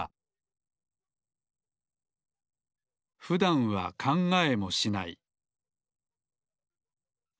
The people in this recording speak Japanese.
ふだんは考えもしない。